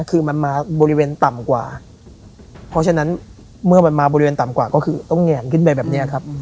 คือมันมาบริเวณต่ำกว่าเพราะฉะนั้นเมื่อมันมาบริเวณต่ำกว่าก็คือต้องแหงขึ้นไปแบบนี้ครับ